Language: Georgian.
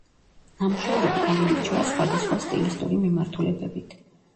ნამუშევრები გამოირჩევა სხვადასხვა სტილისტური მიმართულებებით.